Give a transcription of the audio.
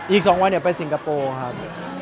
อีก๒วันเดี๋ยวไปสิงคโปร์ครับ